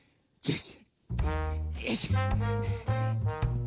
よし。